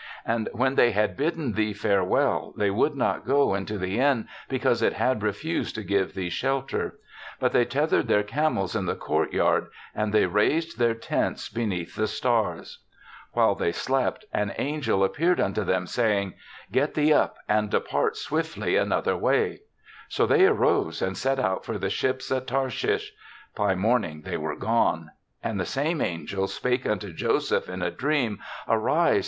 And when they had bidden thee farewell, they would not go into the inn because it had refused to give thee shelter; but they teth ered their camels in the courtyard and they raised their tents beneath the stars. While they slept, an 42 THE SEVENTH CHRISTMAS angel appeared unto them, saying, ' Get thee up, and depart swiftly an other way/ So they arose and set out for the ships at Tarshish; by morning they were gone. And the same angel spake unto Joseph in a dream, ' Arise.